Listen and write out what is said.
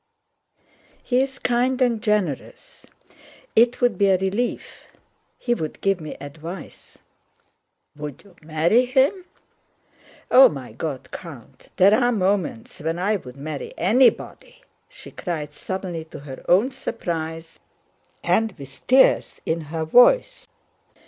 He is kind and generous. It would be a relief. He would give me advice." "Would you marry him?" "Oh, my God, Count, there are moments when I would marry anybody!" she cried suddenly to her own surprise and with tears in her voice.